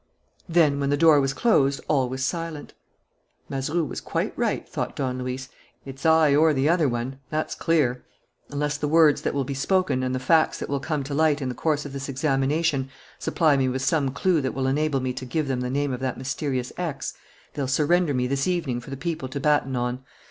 Then, when the door was closed, all was silent. "Mazeroux was quite right," thought Don Luis. "It's I or the other one: that's clear. Unless the words that will be spoken and the facts that will come to light in the course of this examination supply me with some clue that will enable me to give them the name of that mysterious X, they'll surrender me this evening for the people to batten on.